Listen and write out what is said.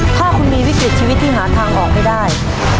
ถ้าคุณมีวิกฤตชีวิตที่หาทางออกไม่ได้